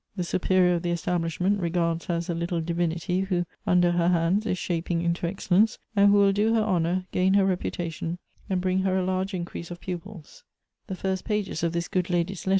The superior of the establishment regards her as a little divinity, who, under her hands, is shaping into excellence, and who will do her honor, gain her reputation, and bring her a large increase of pupils; the first pages of this good lady's let Elective Affinities.